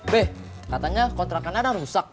be katanya kontrakan anda rusak